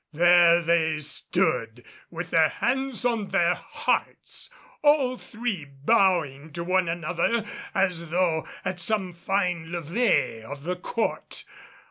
There they stood with their hands on their hearts, all three bowing to one another as though at some fine levee of the Court.